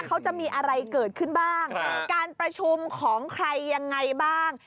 เขาจะมีอะไรเกิดขึ้นบ้างการประชุมของใครยังไงบ้าง